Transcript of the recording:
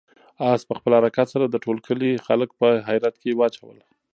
آس په خپل حرکت سره د ټول کلي خلک په حیرت کې واچول.